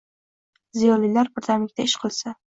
Ziyolilar birdamlikda ish qilsa